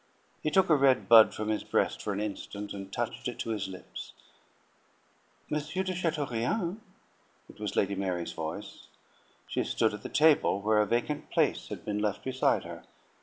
He took a red bud from his breast for an instant, and touched it to his lips. "M. de Chateaurien!" It was Lady Mary's voice; she stood at a table where a vacant place had been left beside her.